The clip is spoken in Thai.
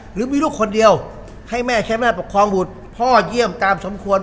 หรือมีลูกคนเดียวให้แม่ใช้แม่ปกครองบุตรพ่อเยี่ยมตามสมควร